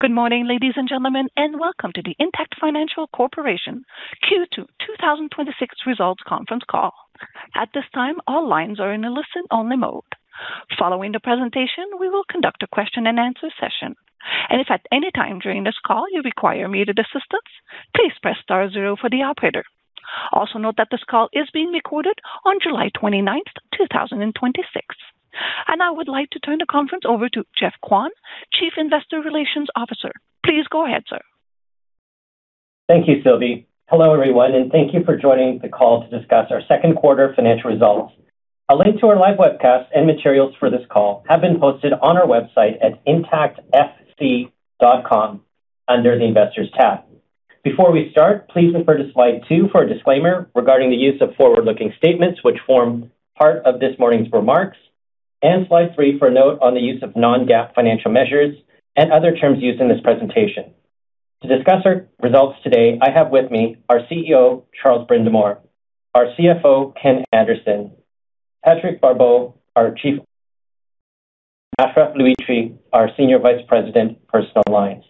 Good morning, ladies and gentlemen, welcome to the Intact Financial Corporation Q2 2026 results conference call. At this time, all lines are in a listen-only mode. Following the presentation, we will conduct a question and answer session. If at any time during this call you require immediate assistance, please press star zero for the operator. Also note that this call is being recorded on July 29th, 2026. I would like to turn the conference over to Geoff Kwan, Chief Investor Relations Officer. Please go ahead, sir. Thank you, Sylvie. Hello everyone, thank you for joining the call to discuss our second quarter financial results. A link to our live webcast and materials for this call have been posted on our website at intactfc.com under the Investors tab. Before we start, please refer to slide two for a disclaimer regarding the use of forward-looking statements, which form part of this morning's remarks, and slide three for a note on the use of non-GAAP financial measures and other terms used in this presentation. To discuss our results today, I have with me our CEO, Charles Brindamour, our CFO, Ken Anderson, Patrick Barbeau, our chief, Achraf Louitri, our Senior Vice President, Personal Lines.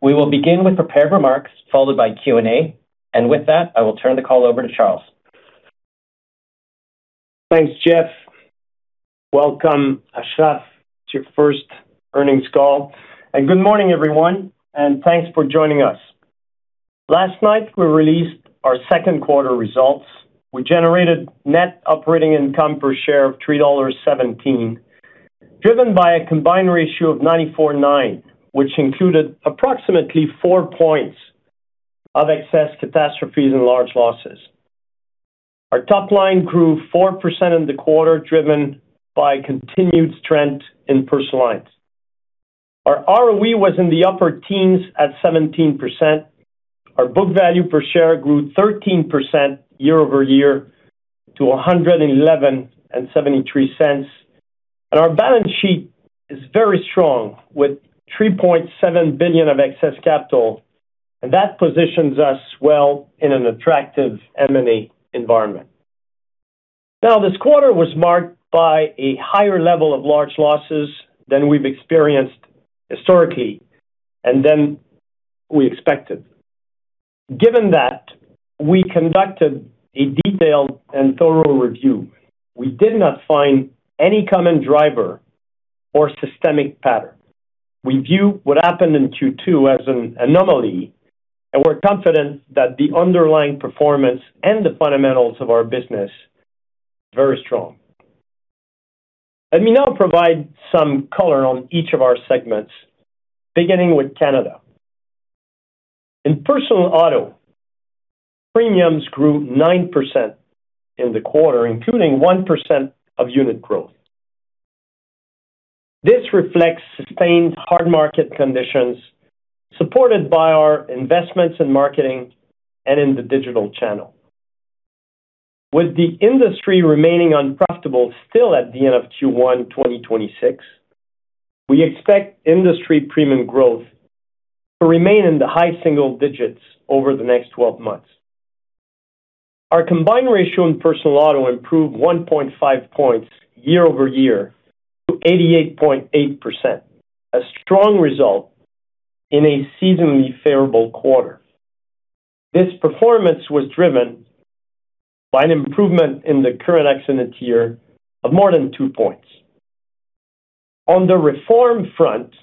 We will begin with prepared remarks followed by Q&A. With that, I will turn the call over to Charles. Thanks, Geoff. Welcome, Achraf. It's your first earnings call. Good morning, everyone, thanks for joining us. Last night, we released our second quarter results. We generated net operating income per share of 3.17 dollars, driven by a combined ratio of 94.9, which included approximately four points of excess catastrophes and large losses. Our top line grew 4% in the quarter, driven by continued strength in personal lines. Our ROE was in the upper teens at 17%. Our book value per share grew 13% year-over-year to 111.73. Our balance sheet is very strong with 3.7 billion of excess capital, that positions us well in an attractive M&A environment. This quarter was marked by a higher level of large losses than we've experienced historically then we expected. Given that, we conducted a detailed and thorough review. We did not find any common driver or systemic pattern. We view what happened in Q2 as an anomaly, we're confident that the underlying performance and the fundamentals of our business very strong. Let me now provide some color on each of our segments, beginning with Canada. In personal auto, premiums grew 9% in the quarter, including 1% of unit growth. This reflects sustained hard market conditions, supported by our investments in marketing and in the digital channel. With the industry remaining unprofitable still at the end of Q1 2026, we expect industry premium growth to remain in the high single digits over the next 12 months. Our combined ratio in personal auto improved 1.5 points year-over-year to 88.8%, a strong result in a seasonally favorable quarter. This performance was driven by an improvement in the current accident year of more than two points. On the reform front,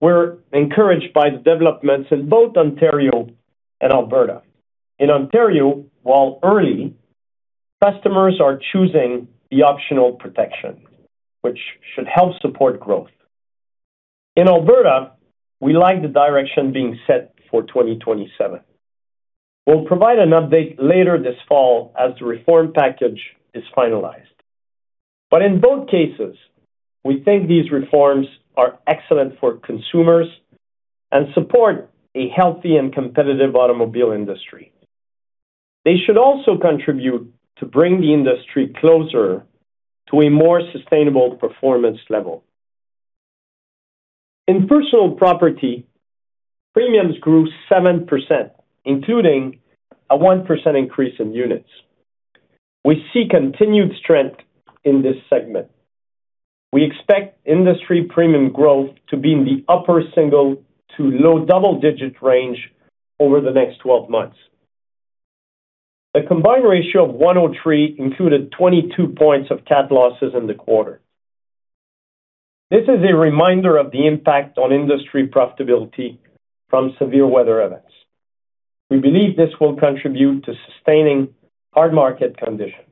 we're encouraged by the developments in both Ontario and Alberta. In Ontario, while early, customers are choosing the optional protection, which should help support growth. In Alberta, we like the direction being set for 2027. We'll provide an update later this fall as the reform package is finalized. In both cases, we think these reforms are excellent for consumers and support a healthy and competitive automobile industry. They should also contribute to bring the industry closer to a more sustainable performance level. In personal property, premiums grew 7%, including a 1% increase in units. We see continued strength in this segment. We expect industry premium growth to be in the upper single to low-double-digit range over the next 12 months. A combined ratio of 103 included 22 points of cat losses in the quarter. This is a reminder of the impact on industry profitability from severe weather events. We believe this will contribute to sustaining hard market conditions.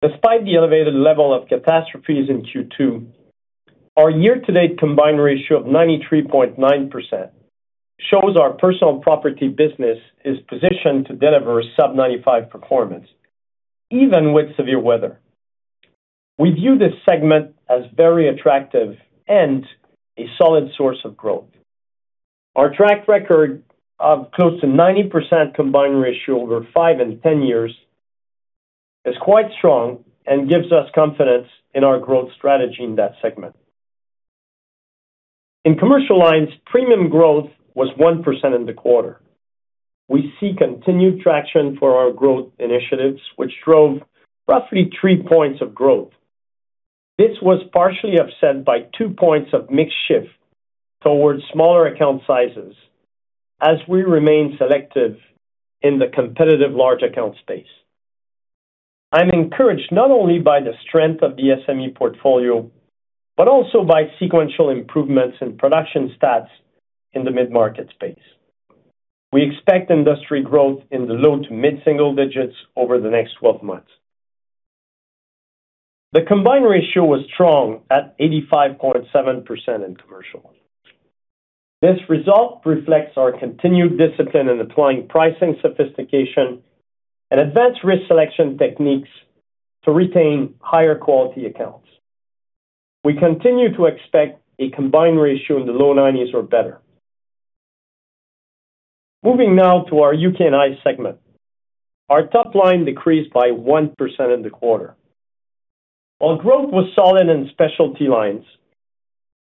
Despite the elevated level of catastrophes in Q2, our year-to-date combined ratio of 93.9% shows our personal property business is positioned to deliver a sub 95 performance even with severe weather. We view this segment as very attractive and a solid source of growth. Our track record of close to 90% combined ratio over five and 10 years is quite strong and gives us confidence in our growth strategy in that segment. In commercial lines, premium growth was 1% in the quarter. We see continued traction for our growth initiatives, which drove roughly three points of growth. This was partially offset by two points of mix shift towards smaller account sizes as we remain selective in the competitive large account space. I'm encouraged not only by the strength of the SME portfolio, but also by sequential improvements in production stats in the mid-market space. We expect industry growth in the low to mid-single digits over the next 12 months. The combined ratio was strong at 85.7% in commercial. This result reflects our continued discipline in applying pricing sophistication and advanced risk selection techniques to retain higher quality accounts. We continue to expect a combined ratio in the low 90s or better. Moving now to our U.K. and I segment. Our top line decreased by 1% in the quarter. While growth was solid in specialty lines,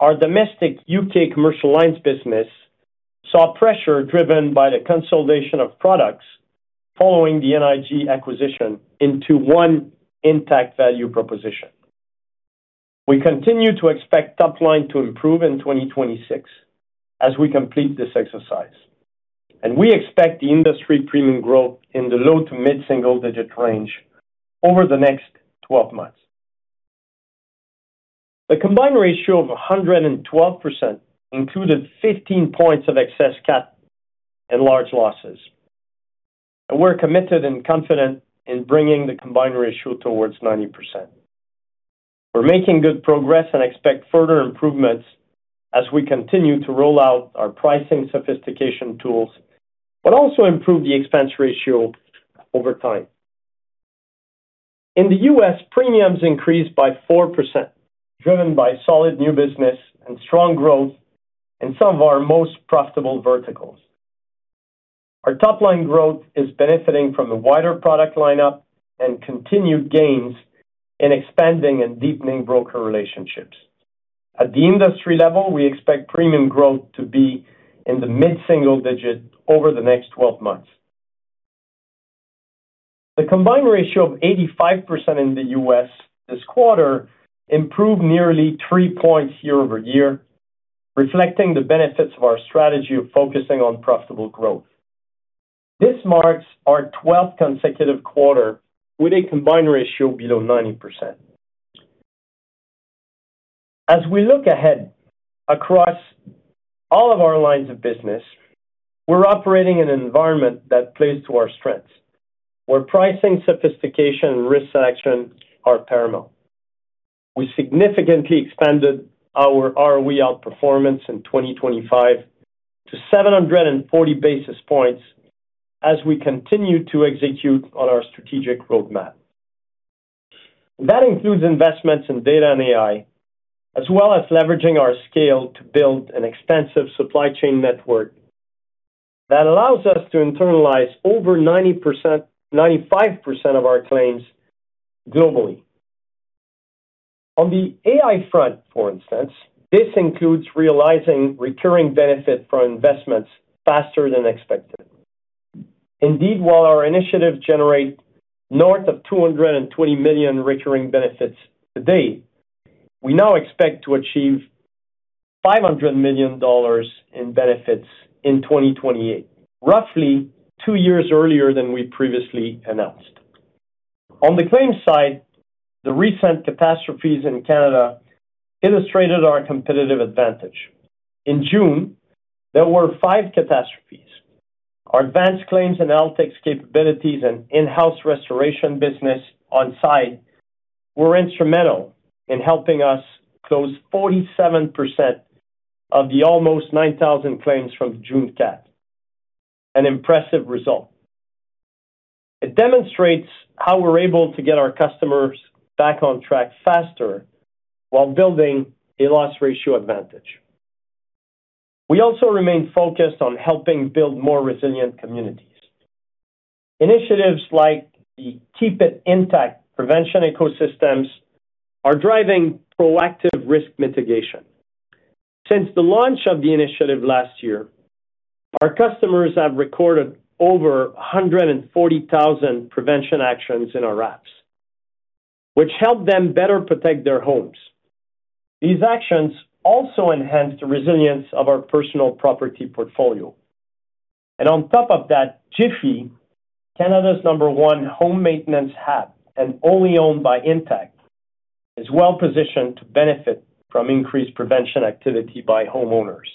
our domestic U.K. commercial lines business saw pressure driven by the consolidation of products following the NIG acquisition into one Intact value proposition. We continue to expect top line to improve in 2026 as we complete this exercise. We expect the industry premium growth in the low to mid-single digit range over the next 12 months. The combined ratio of 112% included 15 points of excess cat and large losses. We're committed and confident in bringing the combined ratio towards 90%. We're making good progress and expect further improvements as we continue to roll out our pricing sophistication tools, but also improve the expense ratio over time. In the U.S., premiums increased by 4%, driven by solid new business and strong growth in some of our most profitable verticals. Our top-line growth is benefiting from a wider product line-up and continued gains in expanding and deepening broker relationships. At the industry level, we expect premium growth to be in the mid-single digit over the next 12 months. The combined ratio of 85% in the U.S. this quarter improved nearly three points year-over-year, reflecting the benefits of our strategy of focusing on profitable growth. This marks our 12th consecutive quarter with a combined ratio below 90%. As we look ahead across all of our lines of business, we're operating in an environment that plays to our strengths, where pricing sophistication and risk selection are paramount. We significantly expanded our ROE outperformance in 2025 to 740 basis points as we continue to execute on our strategic roadmap. That includes investments in data and AI, as well as leveraging our scale to build an extensive supply chain network that allows us to internalize over 95% of our claims globally. On the AI front, for instance, this includes realizing recurring benefit from investments faster than expected. Indeed, while our initiatives generate north of 220 million recurring benefits to date, we now expect to achieve 500 million dollars in benefits in 2028, roughly two years earlier than we previously announced. On the claims side, the recent catastrophes in Canada illustrated our competitive advantage. In June, there were five catastrophes. Our advanced claims and analytics capabilities and in-house restoration business On Side were instrumental in helping us close 47% of the almost 9,000 claims from June cat. An impressive result. It demonstrates how we're able to get our customers back on track faster while building a loss ratio advantage. We also remain focused on helping build more resilient communities. Initiatives like the Keep It Intact prevention ecosystems are driving proactive risk mitigation. Since the launch of the initiative last year, our customers have recorded over 140,000 prevention actions in our apps, which help them better protect their homes. These actions also enhanced the resilience of our personal property portfolio. On top of that, Jiffy, Canada's number one home maintenance hub and only owned by Intact, is well-positioned to benefit from increased prevention activity by homeowners.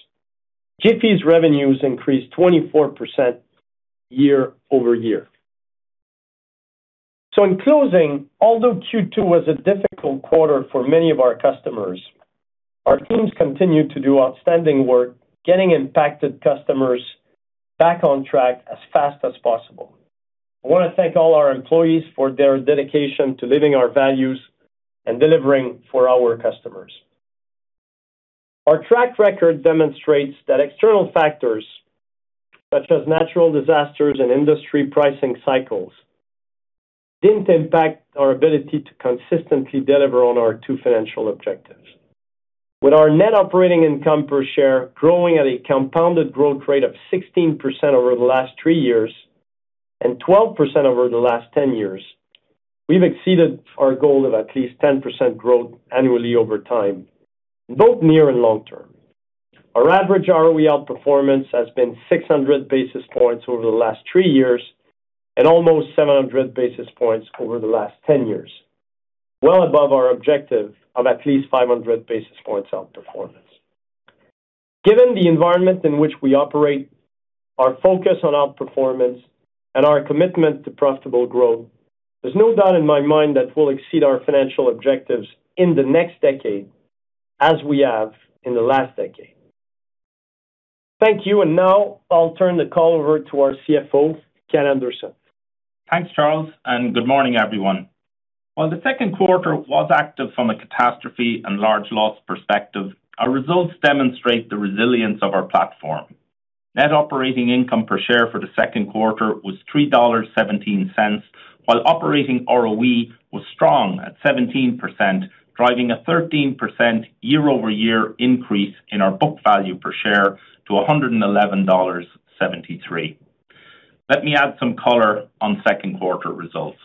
Jiffy's revenues increased 24% year-over-year. In closing, although Q2 was a difficult quarter for many of our customers, our teams continued to do outstanding work getting impacted customers back on track as fast as possible. I want to thank all our employees for their dedication to living our values and delivering for our customers. Our track record demonstrates that external factors, such as natural disasters and industry pricing cycles didn't impact our ability to consistently deliver on our two financial objectives. With our Net Operating Income Per Share growing at a compounded growth rate of 16% over the last three years and 12% over the last 10 years, we've exceeded our goal of at least 10% growth annually over time, in both near and long term. Our average ROE outperformance has been 600 basis points over the last three years and almost 700 basis points over the last 10 years, well above our objective of at least 500 basis points outperformance. Given the environment in which we operate, our focus on outperformance, and our commitment to profitable growth, there's no doubt in my mind that we'll exceed our financial objectives in the next decade, as we have in the last decade. Thank you. Now I'll turn the call over to our CFO, Ken Anderson. Thanks, Charles, and good morning, everyone. While the second quarter was active from a catastrophe and large loss perspective, our results demonstrate the resilience of our platform. Net operating income per share for the second quarter was 3.17 dollars, while operating ROE was strong at 17%, driving a 13% year-over-year increase in our book value per share to 111.73 dollars. Let me add some color on second quarter results.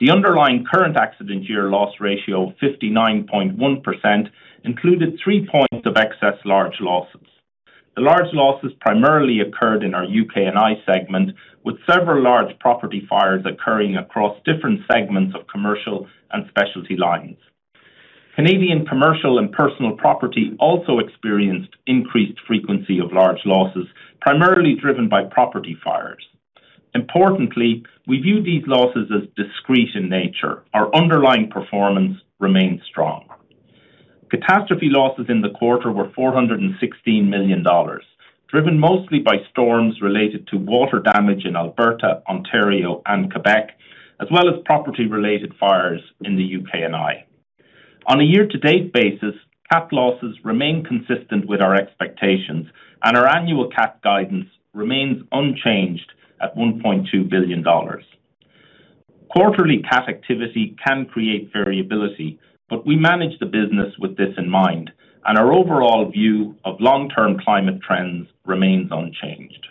The underlying current accident year loss ratio of 59.1% included three points of excess large losses. The large losses primarily occurred in our UK & I segment, with several large property fires occurring across different segments of commercial and specialty lines. Canadian commercial and personal property also experienced increased frequency of large losses, primarily driven by property fires. Importantly, we view these losses as discrete in nature. Our underlying performance remains strong. Catastrophe losses in the quarter were 416 million dollars, driven mostly by storms related to water damage in Alberta, Ontario, and Quebec, as well as property-related fires in the UK & I. On a year-to-date basis, cat losses remain consistent with our expectations, and our annual cat guidance remains unchanged at 1.2 billion dollars. Quarterly cat activity can create variability, but we manage the business with this in mind, and our overall view of long-term climate trends remains unchanged.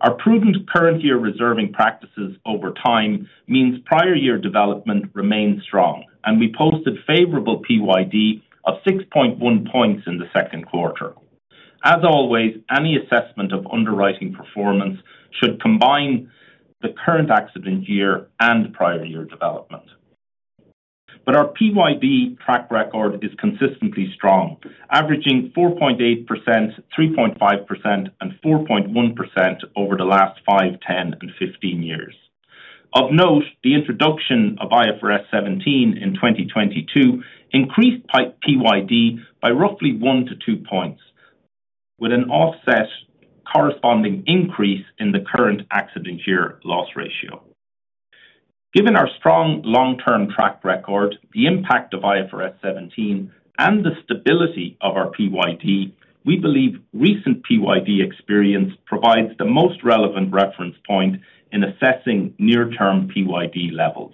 Our prudent current year reserving practices over time means prior year development remains strong, and we posted favorable PYD of 6.1 points in the second quarter. As always, any assessment of underwriting performance should combine the current accident year and prior year development. Our PYD track record is consistently strong, averaging 4.8%, 3.5%, and 4.1% over the last five, 10, and 15 years. Of note, the introduction of IFRS 17 in 2022 increased PYD by roughly one to two points with an offset corresponding increase in the current accident year loss ratio. Given our strong long-term track record, the impact of IFRS 17, and the stability of our PYD, we believe recent PYD experience provides the most relevant reference point in assessing near-term PYD levels.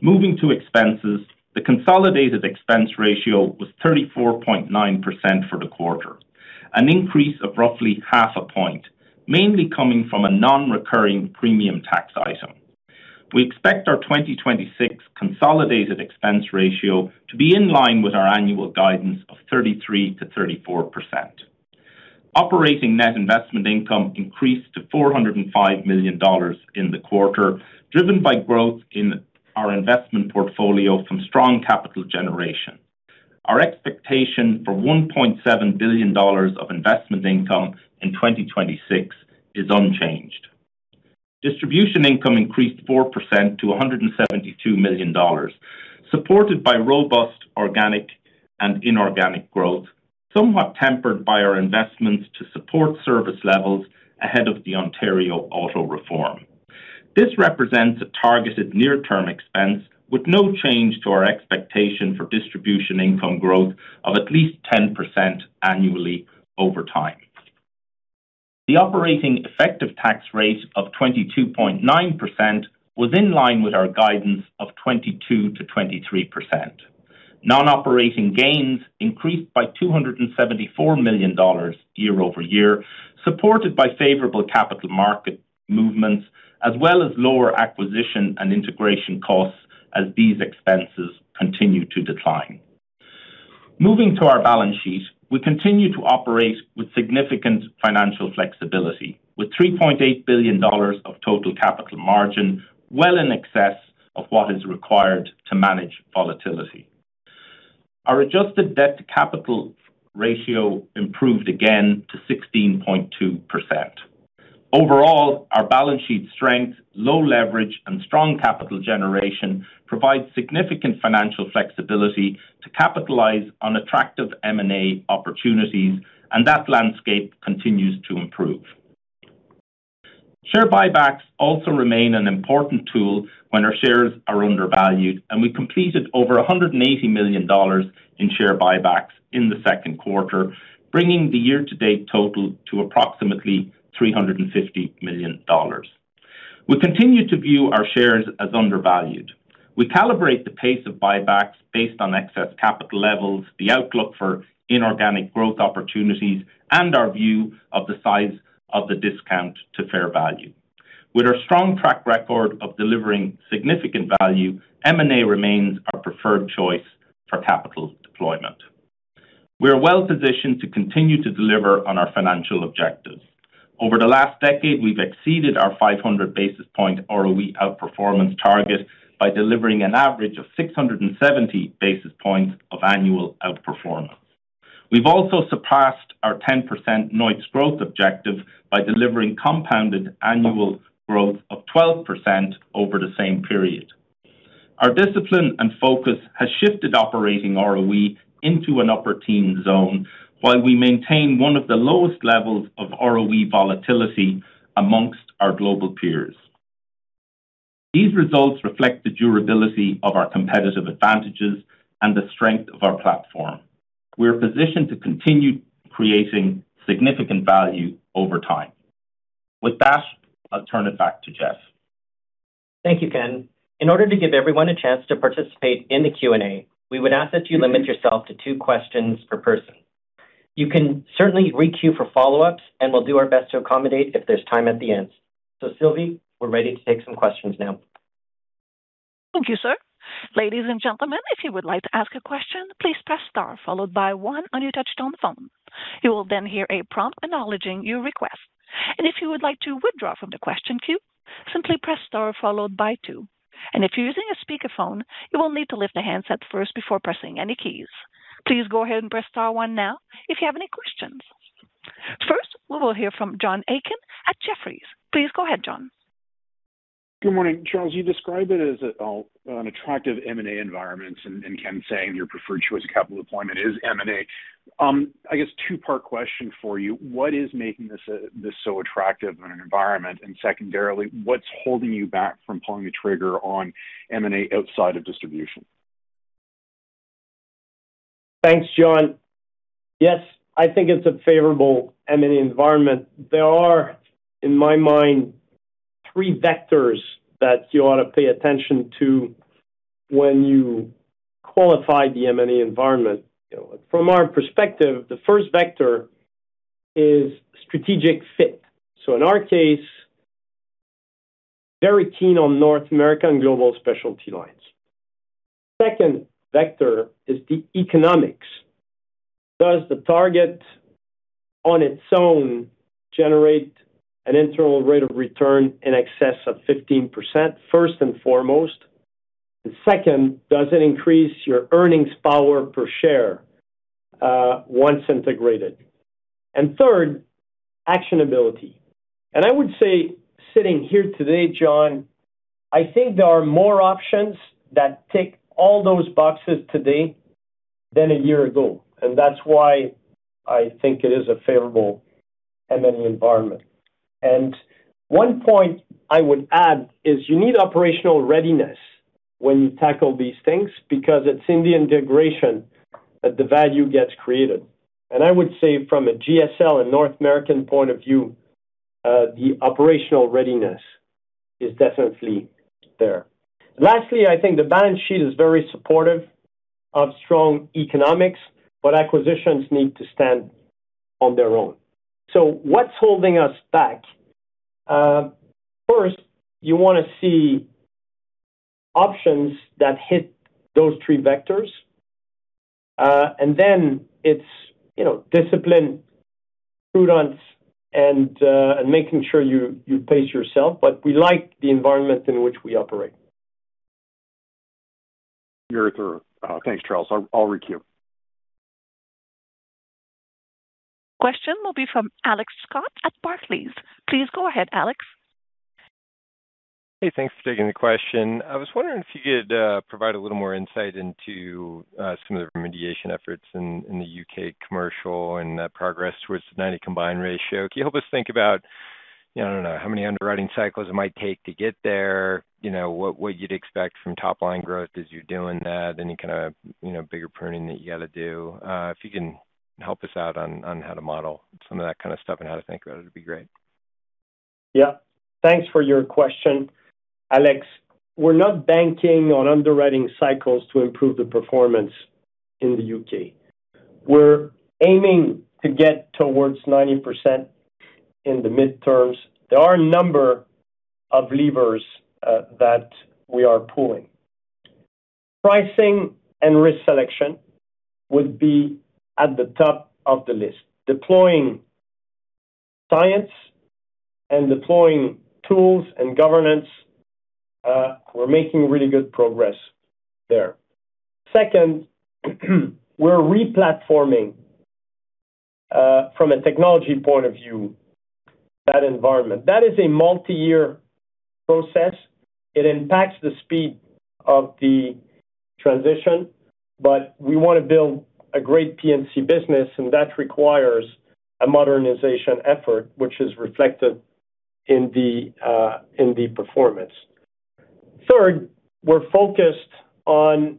Moving to expenses, the consolidated expense ratio was 34.9% for the quarter, an increase of roughly half a point, mainly coming from a non-recurring premium tax item. We expect our 2026 consolidated expense ratio to be in line with our annual guidance of 33%-34%. Operating net investment income increased to 405 million dollars in the quarter, driven by growth in our investment portfolio from strong capital generation. Our expectation for 1.7 billion dollars of investment income in 2026 is unchanged. Distribution income increased 4% to 172 million dollars, supported by robust organic and inorganic growth, somewhat tempered by our investments to support service levels ahead of the Ontario auto reform. This represents a targeted near-term expense with no change to our expectation for distribution income growth of at least 10% annually over time. The operating effective tax rate of 22.9% was in line with our guidance of 22%-23%. Non-operating gains increased by 274 million dollars year-over-year, supported by favorable capital market movements as well as lower acquisition and integration costs as these expenses continue to decline. Moving to our balance sheet, we continue to operate with significant financial flexibility, with 3.8 billion dollars of total capital margin well in excess of what is required to manage volatility. Our adjusted debt to capital ratio improved again to 16.2%. Overall, our balance sheet strength, low leverage, and strong capital generation provide significant financial flexibility to capitalize on attractive M&A opportunities. That landscape continues to improve. Share buybacks also remain an important tool when our shares are undervalued. We completed over 180 million dollars in share buybacks in the second quarter, bringing the year-to-date total to approximately 350 million dollars. We continue to view our shares as undervalued. We calibrate the pace of buybacks based on excess capital levels, the outlook for inorganic growth opportunities, and our view of the size of the discount to fair value. With our strong track record of delivering significant value, M&A remains our preferred choice for capital deployment. We are well-positioned to continue to deliver on our financial objectives. Over the last decade, we've exceeded our 500 basis point ROE outperformance target by delivering an average of 670 basis points of annual outperformance. We've also surpassed our 10% NOIPS growth objective by delivering compounded annual growth of 12% over the same period. Our discipline and focus has shifted operating ROE into an upper teen zone while we maintain one of the lowest levels of ROE volatility amongst our global peers. These results reflect the durability of our competitive advantages and the strength of our platform. We are positioned to continue creating significant value over time. With that, I'll turn it back to Geoff. Thank you, Ken. In order to give everyone a chance to participate in the Q&A, we would ask that you limit yourself to two questions per person. You can certainly re-queue for follow-ups. We'll do our best to accommodate if there's time at the end. Sylvie, we're ready to take some questions now. Thank you, sir. Ladies and gentlemen, if you would like to ask a question, please press star followed by one on your touchtone phone. You will hear a prompt acknowledging your request. If you would like to withdraw from the question queue, simply press star followed by two. If you're using a speakerphone, you will need to lift the handset first before pressing any keys. Please go ahead and press star one now if you have any questions. First, we will hear from John Aiken at Jefferies. Please go ahead, John. Good morning. Charles, you describe it as an attractive M&A environment and Ken saying your preferred choice of capital deployment is M&A. I guess two-part question for you. What is making this so attractive an environment? Secondarily, what's holding you back from pulling the trigger on M&A outside of distribution? Thanks, John. Yes, I think it's a favorable M&A environment. There are, in my mind, 3 vectors that you ought to pay attention to when you qualify the M&A environment. From our perspective, the first vector is strategic fit. So in our case, very keen on North American global specialty lines. Second vector is the economics. Does the target on its own generate an internal rate of return in excess of 15%, first and foremost? Second, does it increase your earnings power per share once integrated? Third, actionability. I would say sitting here today, John, I think there are more options that tick all those boxes today than a year ago, and that's why I think it is a favorable M&A environment. One point I would add is you need operational readiness when you tackle these things because it's in the integration that the value gets created. I would say from a GSL and North American point of view, the operational readiness is definitely there. Lastly, I think the balance sheet is very supportive of strong economics, acquisitions need to stand on their own. What's holding us back? First, you want to see options that hit those three vectors. Then it's discipline, prudence, and making sure you pace yourself. We like the environment in which we operate. You're thorough. Thanks, Charles. I'll re-queue. Question will be from Alex Scott at Barclays. Please go ahead, Alex. Hey, thanks for taking the question. I was wondering if you could provide a little more insight into some of the remediation efforts in the U.K. commercial and progress towards the 90% combined ratio. Can you help us think about, I don't know, how many underwriting cycles it might take to get there? What you'd expect from top-line growth as you're doing that? Any kind of bigger pruning that you got to do? If you can help us out on how to model some of that kind of stuff and how to think about it'd be great. Yeah. Thanks for your question. Alex, we're not banking on underwriting cycles to improve the performance in the U.K. We're aiming to get towards 90% in the midterms. There are a number of levers that we are pulling. Pricing and risk selection would be at the top of the list. Deploying science and deploying tools and governance, we're making really good progress there. Second, we're re-platforming from a technology point of view, that environment. That is a multi-year process. It impacts the speed of the transition, but we want to build a great P&C business, and that requires a modernization effort, which is reflected in the performance. Third, we're focused on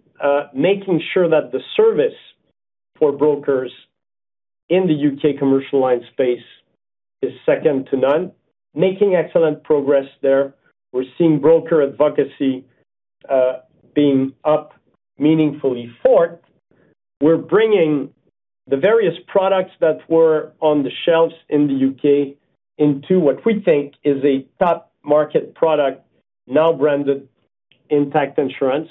making sure that the service for brokers in the U.K. commercial line space is second to none. Making excellent progress there. We're seeing broker advocacy being up meaningfully. Fourth, we're bringing the various products that were on the shelves in the U.K. into what we think is a top market product, now branded Intact Insurance.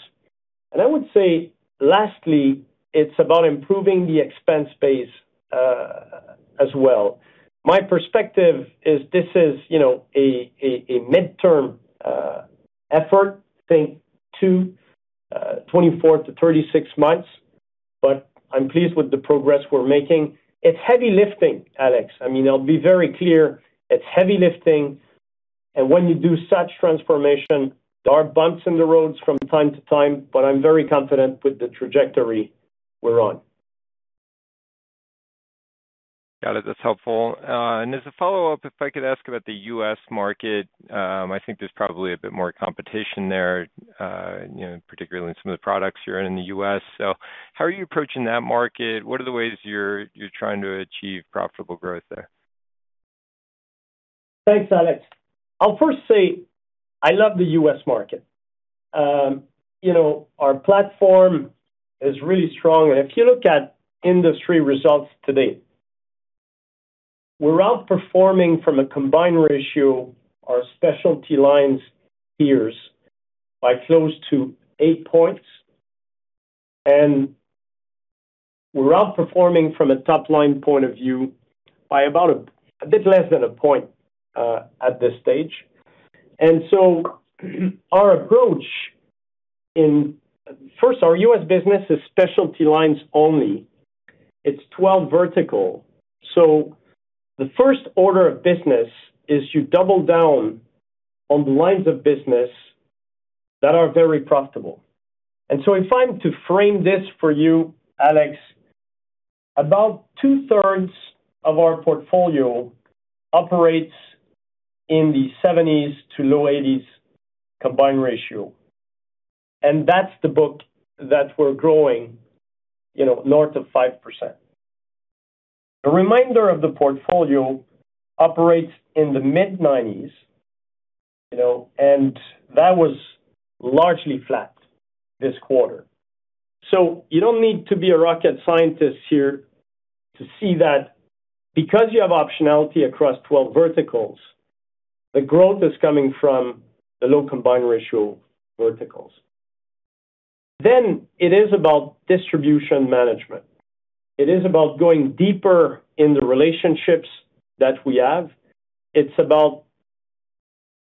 I would say, lastly, it's about improving the expense base, as well. My perspective is this is a midterm effort, think two, 24-36 months, but I'm pleased with the progress we're making. It's heavy lifting, Alex. I'll be very clear. It's heavy lifting, and when you do such transformation, there are bumps in the roads from time to time, but I'm very confident with the trajectory we're on. Got it. That's helpful. As a follow-up, if I could ask about the U.S. market. I think there's probably a bit more competition there, particularly in some of the products you're in in the U.S. How are you approaching that market? What are the ways you're trying to achieve profitable growth there? Thanks, Alex. I'll first say, I love the U.S. market. Our platform is really strong, if you look at industry results to date, we're outperforming from a combined ratio our specialty lines peers by close to eight points. We're outperforming from a top-line point of view by about a bit less than a point at this stage. Our approach in. First, our U.S. business is specialty lines only. It's 12 verticals. The first order of business is you double down on the lines of business that are very profitable. If I'm to frame this for you, Alex, about two-thirds of our portfolio operates in the 70s to low 80s combined ratio, and that's the book that we're growing north of 5%. The remainder of the portfolio operates in the mid 90s, and that was largely flat this quarter. You don't need to be a rocket scientist here to see that because you have optionality across 12 verticals, the growth is coming from the low combined ratio verticals. It is about distribution management. It is about going deeper in the relationships that we have. It's about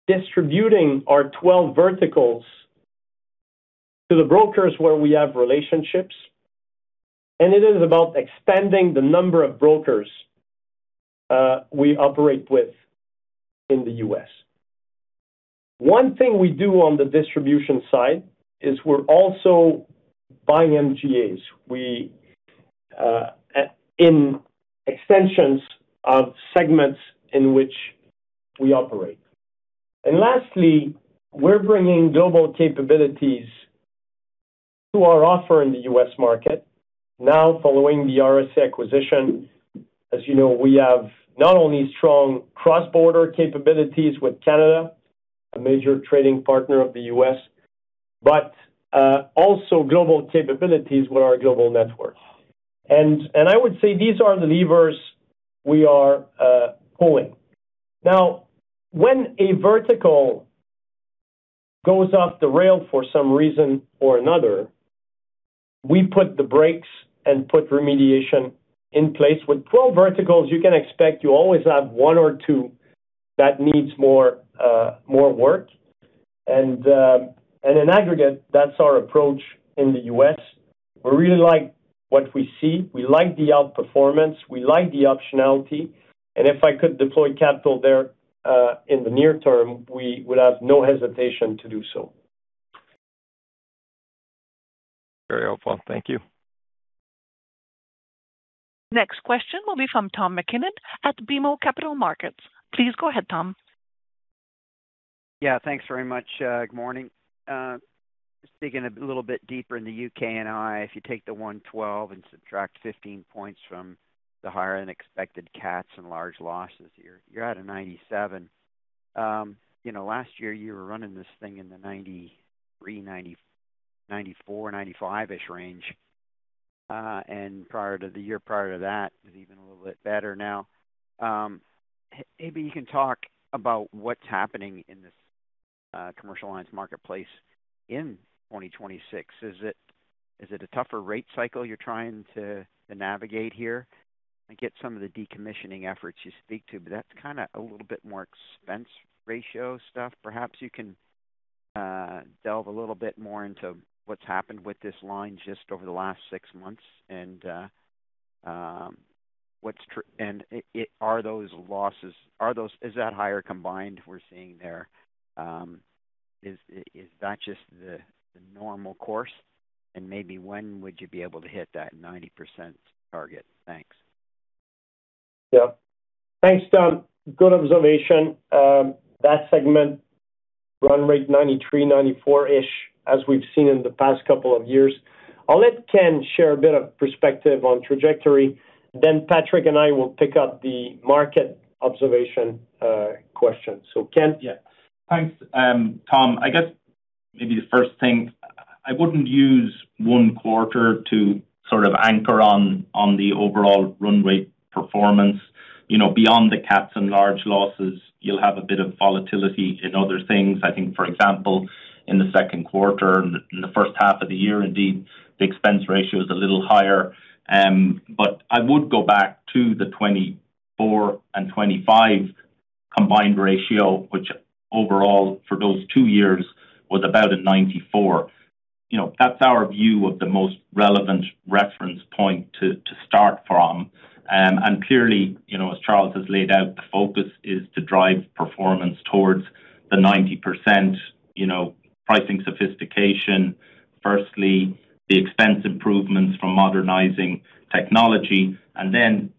distributing our 12 verticals to the brokers where we have relationships, and it is about expanding the number of brokers we operate with in the U.S. One thing we do on the distribution side is we're also buying MGAs in extensions of segments in which we operate. Lastly, we're bringing global capabilities to our offer in the U.S. market. Now following the RSA acquisition, as you know, we have not only strong cross-border capabilities with Canada, a major trading partner of the U.S., but also global capabilities with our global network. I would say these are the levers we are pulling. Now, when a vertical goes off the rail for some reason or another, we put the brakes and put remediation in place. With 12 verticals, you can expect you always have one or two that needs more work, and in aggregate, that's our approach in the U.S. We really like what we see. We like the outperformance, we like the optionality, and if I could deploy capital there, in the near term, we would have no hesitation to do so. Very helpful. Thank you. Next question will be from Tom MacKinnon at BMO Capital Markets. Please go ahead, Tom. Thanks very much. Good morning. Just digging a little bit deeper in the U.K. & I, if you take the 112 and subtract 15 points from the higher-than-expected CATs and large losses, you're at a 97. Last year, you were running this thing in the 93, 94, 95-ish range. The year prior to that was even a little bit better now. Maybe you can talk about what's happening in this commercial alliance marketplace in 2026. Is it a tougher rate cycle you're trying to navigate here? I get some of the decommissioning efforts you speak to, but that's kind of a little bit more expense ratio stuff. Perhaps you can delve a little bit more into what's happened with this line just over the last six months and are those losses, is that higher combined we're seeing there, is that just the normal course? Maybe when would you be able to hit that 90% target? Thanks. Thanks, Tom. Good observation. That segment run rate 93, 94-ish, as we've seen in the past couple of years. I'll let Ken share a bit of perspective on trajectory, Patrick and I will pick up the market observation question. Ken? Thanks, Tom. I guess maybe the first thing, I wouldn't use one quarter to sort of anchor on the overall run rate performance. Beyond the cats and large losses, you'll have a bit of volatility in other things. I think, for example, in the second quarter and the first half of the year, indeed, the expense ratio is a little higher. I would go back to the 2024 and 2025 combined ratio, which overall for those two years was about a 94. That's our view of the most relevant reference point to start from. Clearly, as Charles has laid out, the focus is to drive performance towards the 90%, pricing sophistication. Firstly, the expense improvements from modernizing technology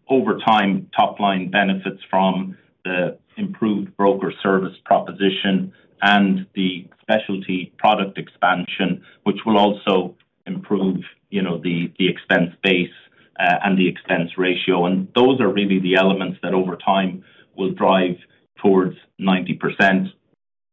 over time, top-line benefits from the improved broker service proposition and the specialty product expansion, which will also improve the expense base, and the expense ratio. Those are really the elements that over time will drive towards 90%.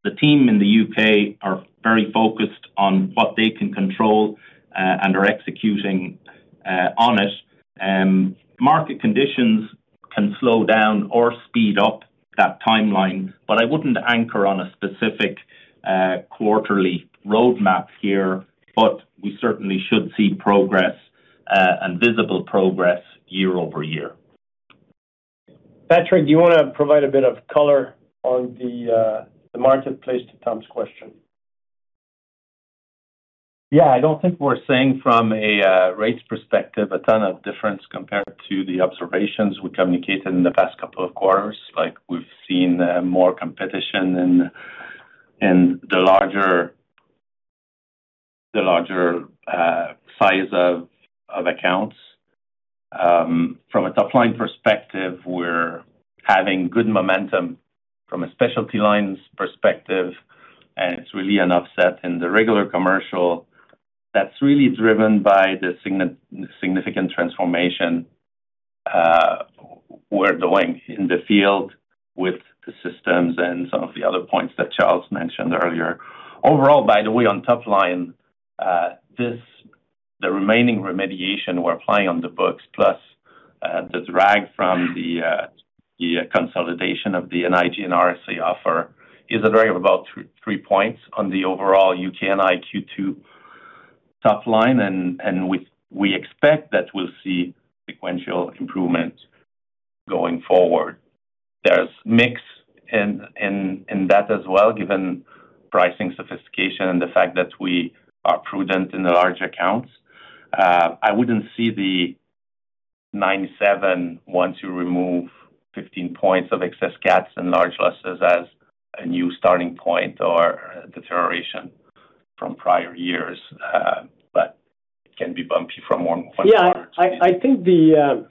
The team in the U.K. are very focused on what they can control, and are executing on it. Market conditions can slow down or speed up that timeline, but I wouldn't anchor on a specific quarterly roadmap here. We certainly should see progress, and visible progress year-over-year. Patrick, do you want to provide a bit of color on the marketplace to Tom's question? Yeah, I don't think we're seeing from a rates perspective, a ton of difference compared to the observations we communicated in the past couple of quarters. Like we've seen more competition in the larger size of accounts. From a top-line perspective, we're having good momentum from a specialty lines perspective, and it's really an offset in the regular commercial that's really driven by the significant transformation we're doing in the field with the systems and some of the other points that Charles mentioned earlier. Overall, by the way, on top line, the remaining remediation we're applying on the books, plus the drag from the consolidation of the NIG and RSA offer is a drag of about three points on the overall U.K. & I Q2 top line. We expect that we'll see sequential improvement going forward. There's mix in that as well, given pricing sophistication and the fact that we are prudent in the large accounts. I wouldn't see the 97 once you remove 15 points of excess cats and large losses as a new starting point or deterioration from prior years. It can be bumpy from one quarter to the next. Yeah, I think the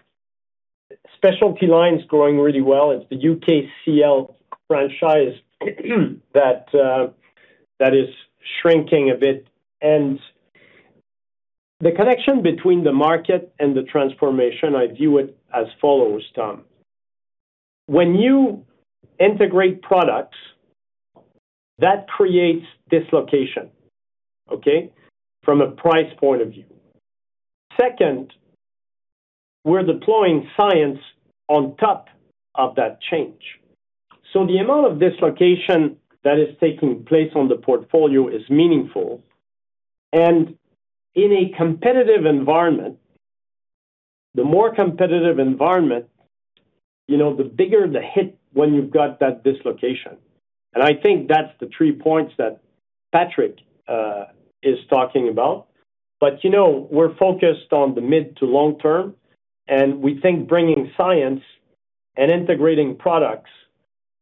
specialty line's growing really well. It's the U.K. CL franchise that is shrinking a bit. The connection between the market and the transformation, I view it as follows, Tom. When you integrate products, that creates dislocation, okay? From a price point of view. Second, we're deploying science on top of that change. The amount of dislocation that is taking place on the portfolio is meaningful. In a competitive environment, the more competitive environment, the bigger the hit when you've got that dislocation. I think that's the three points that Patrick is talking about. We're focused on the mid-to-long term, and we think bringing science and integrating products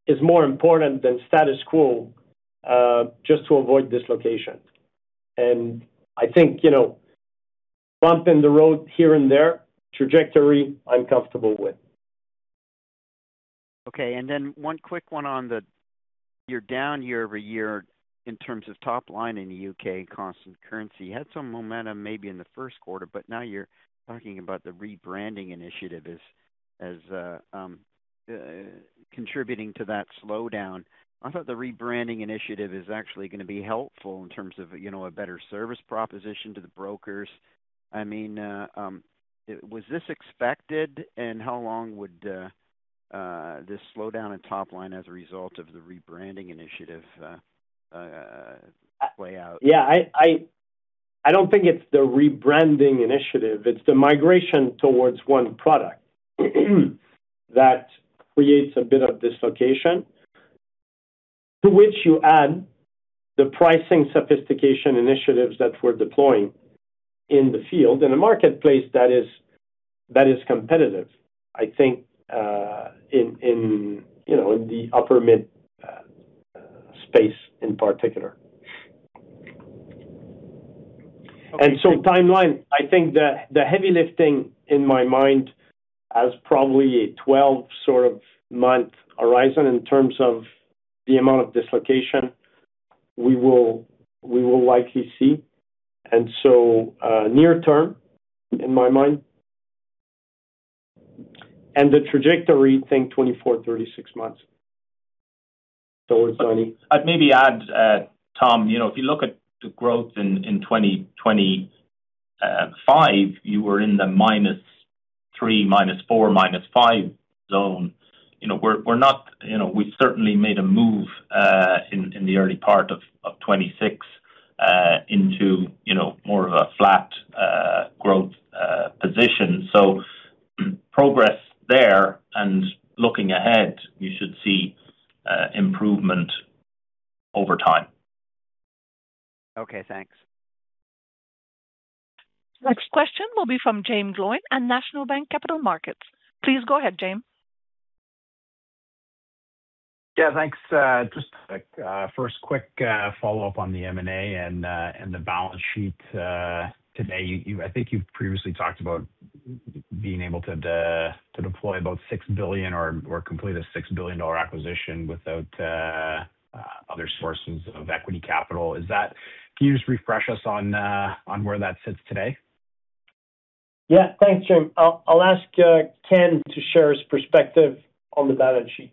is more important than status quo, just to avoid dislocation. I think, bump in the road here and there, trajectory, I'm comfortable with. Okay, then one quick one on the, you're down year-over-year in terms of top-line in the U.K. constant currency. You had some momentum maybe in the first quarter, now you're talking about the Rebranding Initiative as contributing to that slowdown. I thought the Rebranding Initiative is actually going to be helpful in terms of a better service proposition to the brokers. Was this expected, and how long would this slowdown in top-line as a result of the Rebranding Initiative play out? Yeah, I don't think it's the rebranding initiative, it's the migration towards one product that creates a bit of dislocation to which you add the pricing sophistication initiatives that we're deploying in the field in a marketplace that is competitive, I think, in the upper mid space in particular. Timeline, I think the heavy lifting in my mind has probably a 12-month horizon in terms of the amount of dislocation we will likely see. Near term, in my mind. Think 24, 36 months. Over to you. I'd maybe add, Tom, if you look at the growth in 2025, you were in the -3, -4, -5 zone. We certainly made a move in the early part of 2026 into more of a flat growth position. Progress there, and looking ahead, you should see improvement over time. Okay, thanks. Next question will be from Jaeme Gloyn at National Bank Financial Markets. Please go ahead, Jaeme. Yeah, thanks. Just a first quick follow-up on the M&A and the balance sheet today. I think you've previously talked about being able to deploy about 6 billion or complete a 6 billion dollar acquisition without other sources of equity capital. Can you just refresh us on where that sits today? Yeah. Thanks, Jaeme. I'll ask Ken to share his perspective on the balance sheet.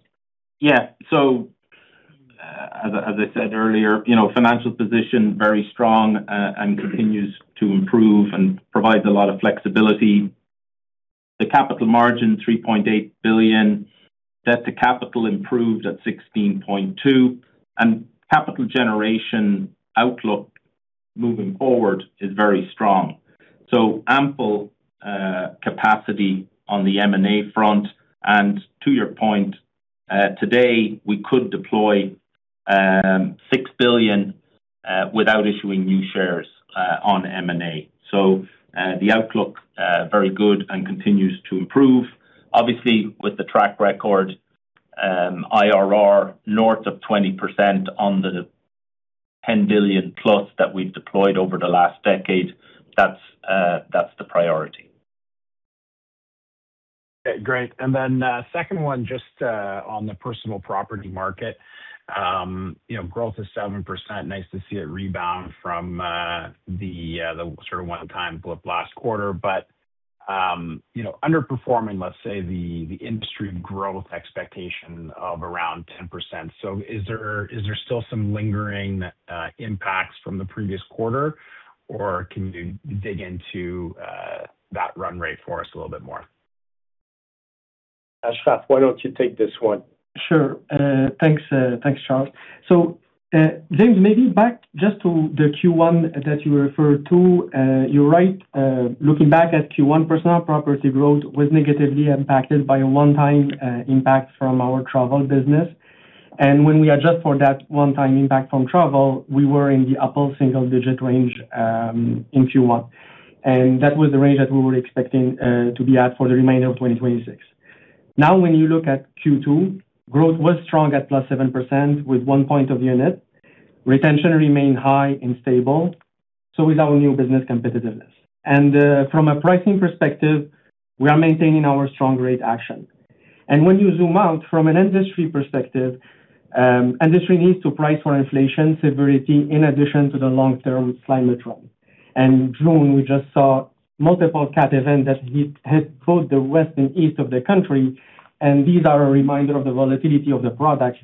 As I said earlier, financial position very strong and continues to improve and provides a lot of flexibility. The capital margin, 3.8 billion. Debt to capital improved at 16.2%, capital generation outlook moving forward is very strong. Ample capacity on the M&A front. To your point, today we could deploy 6 billion without issuing new shares on M&A. The outlook, very good and continues to improve. Obviously, with the track record, IRR north of 20% on the 10 billion plus that we've deployed over the last decade. That's the priority. Okay, great. Second one just on the personal property market. Growth is 7%. Nice to see it rebound from the sort of one-time blip last quarter. Underperforming, let's say, the industry growth expectation of around 10%. Is there still some lingering impacts from the previous quarter, or can you dig into that run rate for us a little bit more? Achraf, why don't you take this one? Sure. Thanks, Charles. Jaeme, maybe back just to the Q1 that you referred to. You're right, looking back at Q1, personal property growth was negatively impacted by a one-time impact from our travel business. When we adjust for that one-time impact from travel, we were in the upper single-digit range in Q1. That was the range that we were expecting to be at for the remainder of 2026. When you look at Q2, growth was strong at +7% with one point of unit. Retention remained high and stable, so is our new business competitiveness. From a pricing perspective, we are maintaining our strong rate action. When you zoom out from an industry perspective, industry needs to price for inflation severity in addition to the long-term climate trend. In June, we just saw multiple cat events that hit both the west and east of the country, and these are a reminder of the volatility of the product,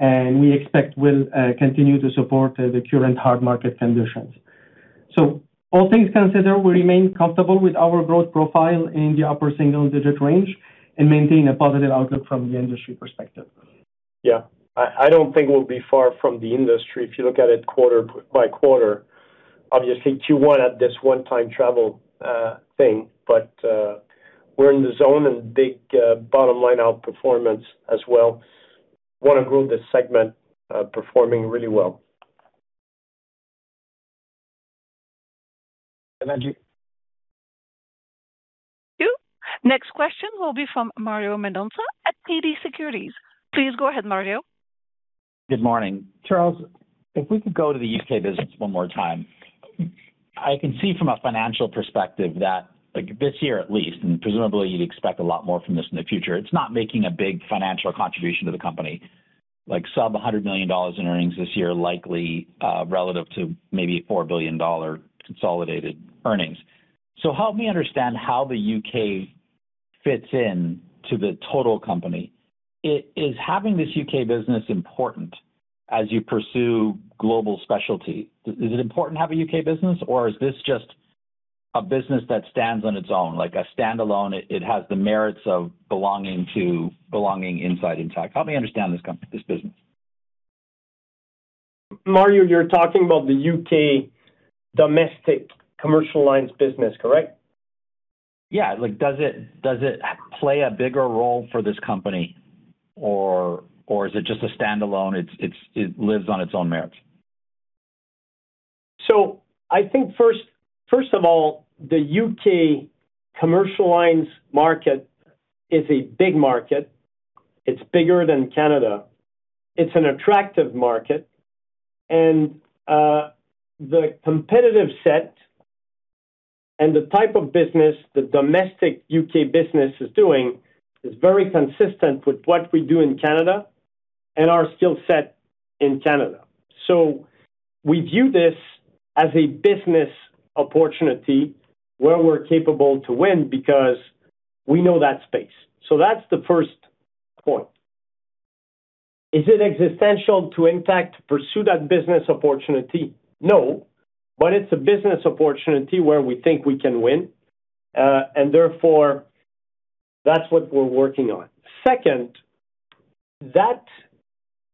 and we expect will continue to support the current hard market conditions. All things considered, we remain comfortable with our growth profile in the upper single-digit range and maintain a positive outlook from the industry perspective. Yeah. I don't think we'll be far from the industry if you look at it quarter by quarter. Obviously, Q1 had this one-time travel thing. We're in the zone and big bottom-line outperformance as well. One of the group, this segment performing really well. Thank you. Next question will be from Mario Mendonca at TD Securities. Please go ahead, Mario. Good morning. Charles, if we could go to the U.K. business one more time. I can see from a financial perspective that this year at least, and presumably you'd expect a lot more from this in the future, it's not making a big financial contribution to the company. Like sub-CAD 100 million in earnings this year, likely relative to maybe a 4 billion dollar consolidated earnings. Help me understand how the U.K. fits into the total company. Is having this U.K. business important as you pursue global specialty? Is it important to have a U.K. business, or is this just a business that stands on its own, like a standalone, it has the merits of belonging inside Intact? Help me understand this business. Mario, you're talking about the U.K. domestic commercial alliance business, correct? Yeah. Does it play a bigger role for this company, or is it just a standalone, it lives on its own merits? I think first of all, the U.K. commercial alliance market is a big market. It's bigger than Canada. It's an attractive market, and the competitive set and the type of business the domestic U.K. business is doing is very consistent with what we do in Canada and our skill set in Canada. We view this as a business opportunity where we're capable to win because we know that space. That's the first point. Is it existential to Intact to pursue that business opportunity? No. It's a business opportunity where we think we can win, and therefore, that's what we're working on. Second, that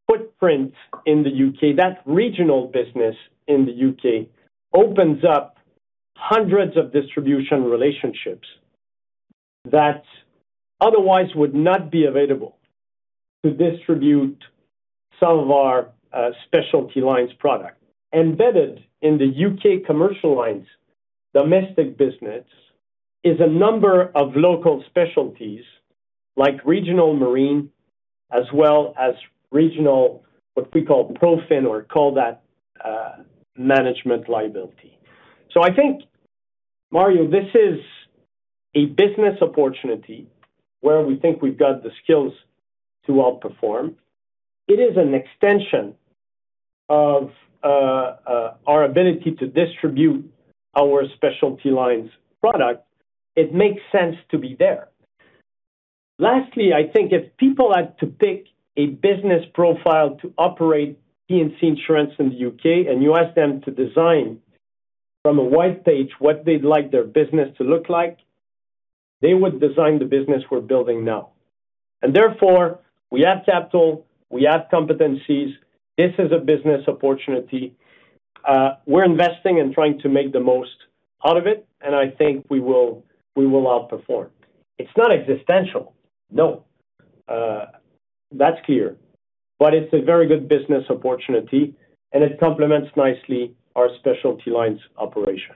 footprint in the U.K., that regional business in the U.K. opens up hundreds of distribution relationships that otherwise would not be available to distribute some of our specialty lines product. Embedded in the U.K. commercial lines domestic business is a number of local specialties like regional marine, as well as regional, what we call FinPro or call that management liability. I think, Mario, this is a business opportunity where we think we've got the skills to outperform. It is an extension of our ability to distribute our specialty lines product. It makes sense to be there. Lastly, I think if people had to pick a business profile to operate P&C insurance in the U.K., and you ask them to design from a white page what they'd like their business to look like, they would design the business we're building now. Therefore, we add capital, we add competencies. This is a business opportunity. We're investing and trying to make the most out of it, and I think we will outperform. It's not existential. No. That's clear. It's a very good business opportunity, and it complements nicely our specialty lines operation.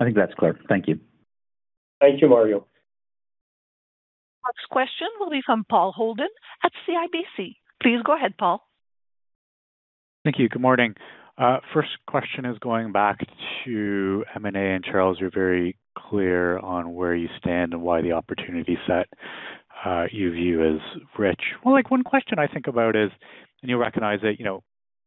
I think that's clear. Thank you. Thank you, Mario. Next question will be from Paul Holden at CIBC. Please go ahead, Paul. Thank you. Good morning. First question is going back to M&A. Charles, you are very clear on where you stand and why the opportunity set you view as rich. One question I think about is, you will recognize it,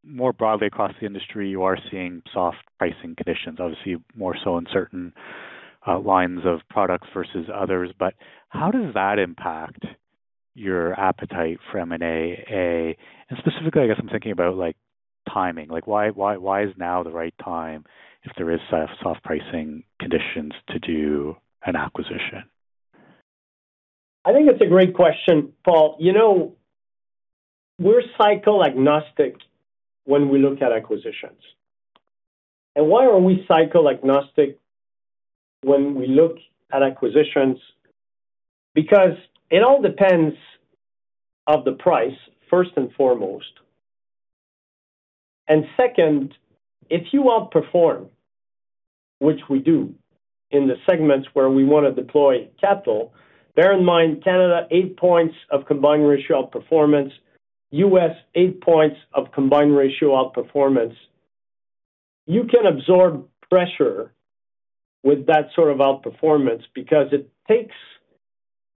more broadly across the industry, you are seeing soft pricing conditions, obviously more so in certain lines of products versus others, how does that impact your appetite for M&A? Specifically, I guess I am thinking about timing. Why is now the right time if there is soft pricing conditions to do an acquisition? I think it is a great question, Paul. We are cycle agnostic when we look at acquisitions. Why are we cycle agnostic when we look at acquisitions? It all depends of the price, first and foremost. Second, if you outperform, which we do in the segments where we want to deploy capital, bear in mind, Canada, 8 points of combined ratio outperformance, U.S., 8 points of combined ratio outperformance. You can absorb pressure with that sort of outperformance because it takes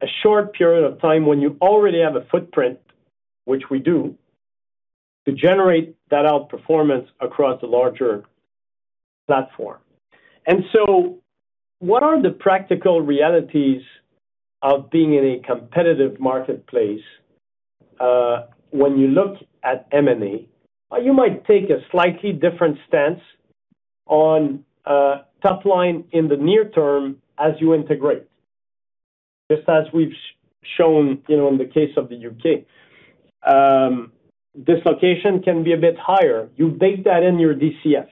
a short period of time when you already have a footprint, which we do, to generate that outperformance across a larger platform. So what are the practical realities of being in a competitive marketplace when you look at M&A? You might take a slightly different stance on top line in the near term as you integrate, just as we have shown in the case of the U.K. Dislocation can be a bit higher. You bake that in your DCF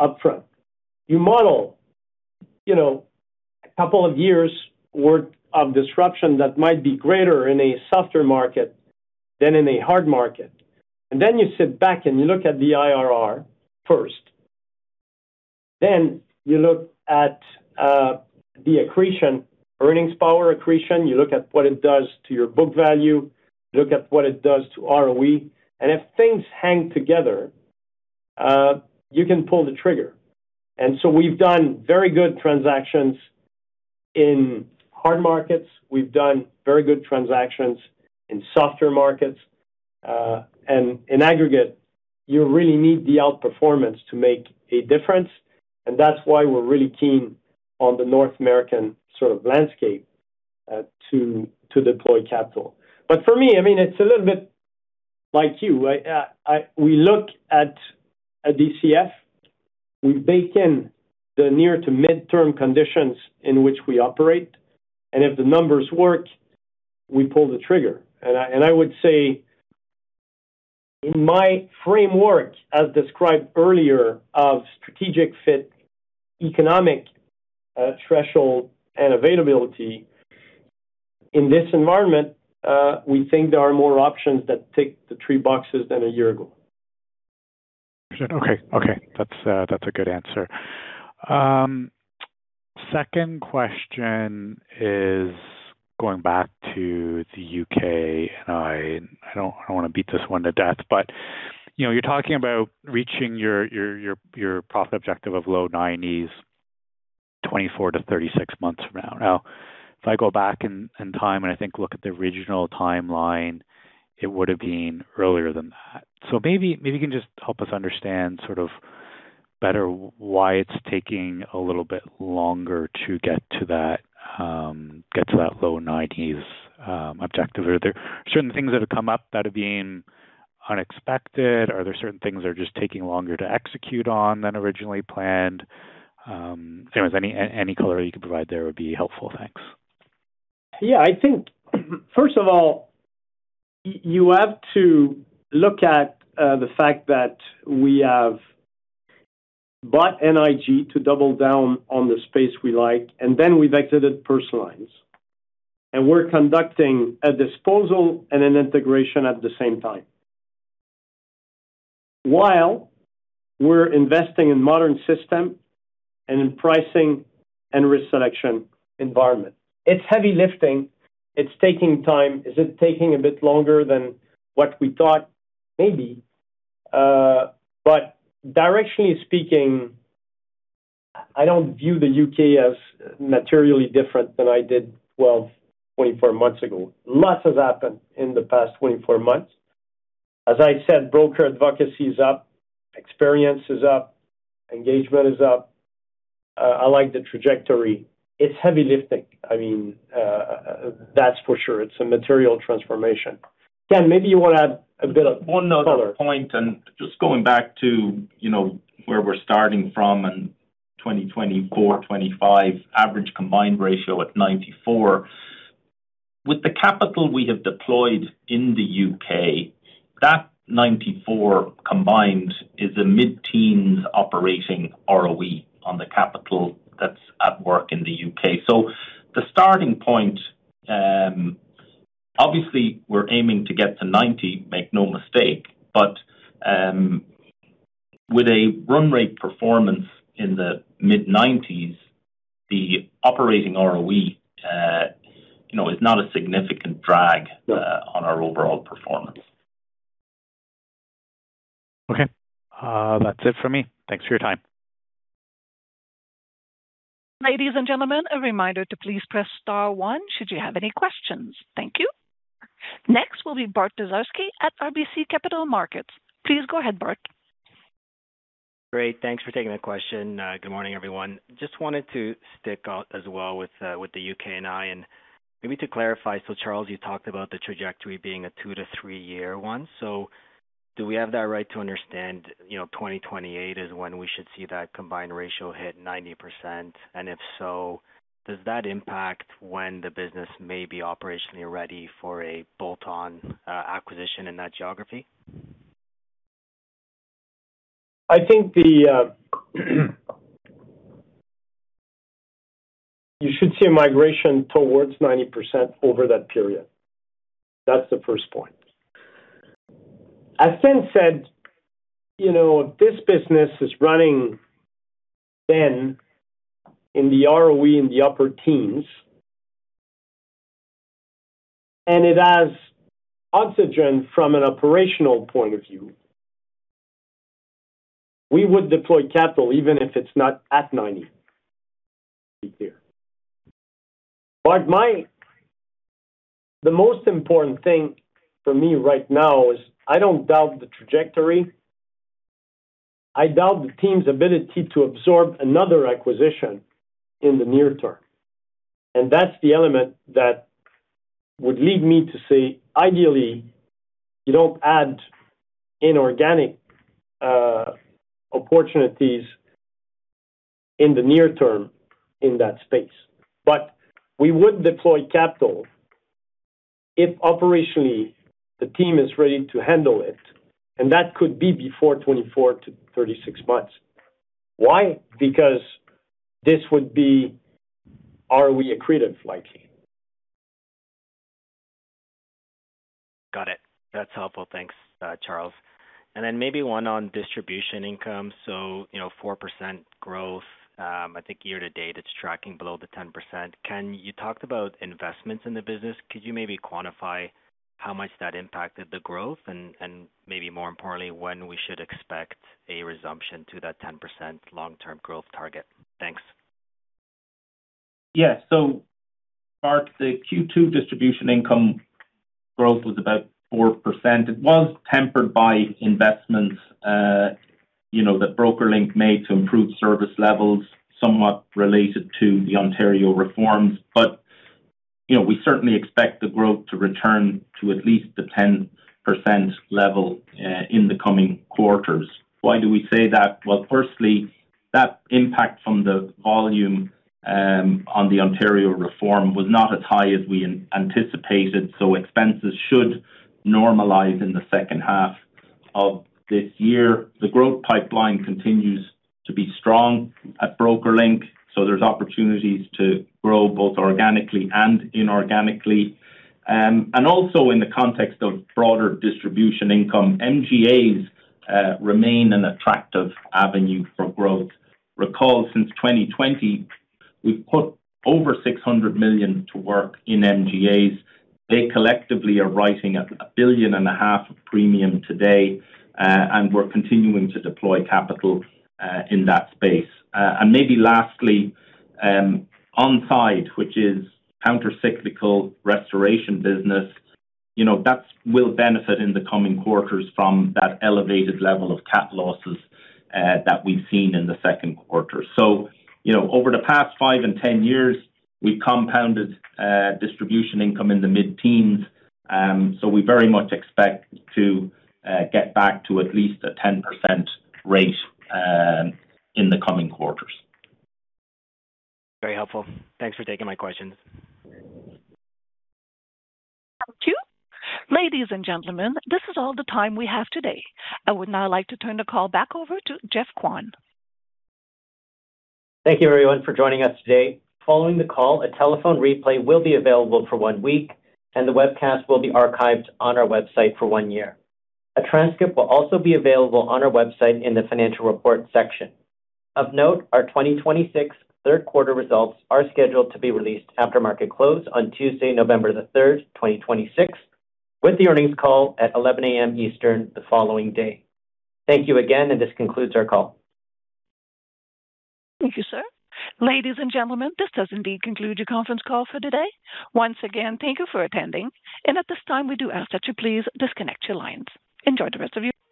upfront. You model a couple of years' worth of disruption that might be greater in a softer market than in a hard market. Then you sit back and you look at the IRR first. You look at the accretion, earnings power accretion. You look at what it does to your book value, look at what it does to ROE. If things hang together, you can pull the trigger. So we've done very good transactions in hard markets. We've done very good transactions in softer markets. In aggregate, you really need the outperformance to make a difference, and that's why we're really keen on the North American sort of landscape to deploy capital. For me, it's a little bit like you. We look at a DCF. We bake in the near to midterm conditions in which we operate, if the numbers work, we pull the trigger. I would say in my framework, as described earlier, of strategic fit, economic threshold, and availability, in this environment we think there are more options that tick the three boxes than a year ago. Okay. That's a good answer. Second question is going back to the U.K., and I don't want to beat this one to death, but you're talking about reaching your profit objective of low 90s 24 to 36 months from now. Now, if I go back in time and I think look at the original timeline, it would've been earlier than that. Maybe you can just help us understand better why it's taking a little bit longer to get to that low 90s objective. Are there certain things that have come up that have been unexpected? Are there certain things that are just taking longer to execute on than originally planned? Anyways, any color you could provide there would be helpful. Thanks. Yeah. I think, first of all, you have to look at the fact that we have bought NIG to double down on the space we like, then we've exited personal lines. We're conducting a disposal and an integration at the same time, while we're investing in modern system and in pricing and risk selection environment. It's heavy lifting. It's taking time. Is it taking a bit longer than what we thought? Maybe. Directionally speaking, I don't view the U.K. as materially different than I did 12, 24 months ago. Lots has happened in the past 24 months. As I said, broker advocacy is up, experience is up, engagement is up. I like the trajectory. It's heavy lifting. That's for sure. It's a material transformation. Ken, maybe you want to add a bit of color. One other point, Just going back to where we're starting from in 2024, 2025, average combined ratio at 94. With the capital we have deployed in the U.K., that 94 combined is a mid-teens operating ROE on the capital that's at work in the U.K. The starting point, obviously we're aiming to get to 90, make no mistake, but with a run rate performance in the mid-90s, the operating ROE is not a significant drag on our overall performance. Okay. That's it for me. Thanks for your time. Ladies and gentlemen, a reminder to please press star one should you have any questions. Thank you. Next will be Bart Dziarski at RBC Capital Markets. Please go ahead, Bart. Great. Thanks for taking the question. Good morning, everyone. Just wanted to stick with as well with the U.K. and I. Maybe to clarify, Charles, you talked about the trajectory being a two to three-year one. Do we have that right to understand 2028 is when we should see that combined ratio hit 90%? If so, does that impact when the business may be operationally ready for a bolt-on acquisition in that geography? I think you should see a migration towards 90% over that period. That's the first point. As Ken said, this business is running then in the ROE in the upper teens, and it has oxygen from an operational point of view. We would deploy capital even if it's not at 90. Be clear. Bart, the most important thing for me right now is I don't doubt the trajectory. I doubt the team's ability to absorb another acquisition in the near term. That's the element that would lead me to say, ideally, you don't add inorganic opportunities in the near term in that space. We would deploy capital if operationally the team is ready to handle it, and that could be before 24 to 36 months. Why? Because this would be ROE accretive, likely. Got it. That's helpful. Thanks, Charles. Then maybe one on distribution income. 4% growth, I think year to date it's tracking below the 10%. You talked about investments in the business, could you maybe quantify how much that impacted the growth and, maybe more importantly, when we should expect a resumption to that 10% long-term growth target? Thanks. Bart, the Q2 distribution income growth was about 4%. It was tempered by investments that BrokerLink made to improve service levels somewhat related to the Ontario reforms. We certainly expect the growth to return to at least the 10% level in the coming quarters. Why do we say that? Firstly, that impact from the volume on the Ontario reform was not as high as we anticipated, so expenses should normalize in the second half of this year. The growth pipeline continues to be strong at BrokerLink, so there's opportunities to grow both organically and inorganically. Also in the context of broader distribution income, MGAs remain an attractive avenue for growth. Recall since 2020, we've put over 600 million to work in MGAs. They collectively are writing 1.5 billion of premium today, and we're continuing to deploy capital in that space. Maybe lastly, On Side, which is counter-cyclical restoration business, that will benefit in the coming quarters from that elevated level of cat losses that we've seen in the second quarter. Over the past five and 10 years, we've compounded distribution income in the mid-teens. We very much expect to get back to at least a 10% rate in the coming quarters. Very helpful. Thanks for taking my questions. Thank you. Ladies and gentlemen, this is all the time we have today. I would now like to turn the call back over to Geoff Kwan. Thank you everyone for joining us today. Following the call, a telephone replay will be available for one week, and the webcast will be archived on our website for one year. A transcript will also be available on our website in the Financial Report section. Of note, our 2026 third quarter results are scheduled to be released after market close on Tuesday, November the 3rd, 2026, with the earnings call at 11:00 A.M. Eastern the following day. Thank you again. This concludes our call. Thank you, sir. Ladies and gentlemen, this does indeed conclude your conference call for today. Once again, thank you for attending. At this time, we do ask that you please disconnect your lines. Enjoy the rest of your day.